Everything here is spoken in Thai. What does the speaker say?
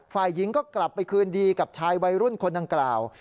ฝ่ายหญิงก็กลับไปคืนดีกับชายวัยรุ่นคนดังกล่าว